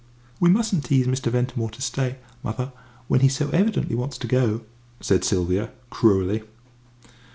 "We mustn't tease Mr. Ventimore to stay, mother, when he so evidently wants to go," said Sylvia, cruelly.